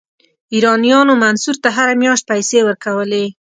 ایرانیانو منصور ته هره میاشت پیسې ورکولې.